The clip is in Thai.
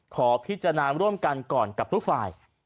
ขอพิจารณาร่วมกันก่อนกับทุกฝ่าย